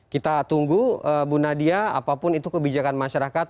kita tunggu bu nadia apapun itu kebijakan masyarakat